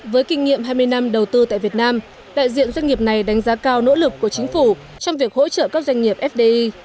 với kinh nghiệm hai mươi năm đầu tư tại việt nam đại diện doanh nghiệp này đánh giá cao nỗ lực của chính phủ trong việc hỗ trợ các doanh nghiệp fdi